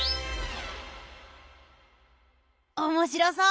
おもしろそう。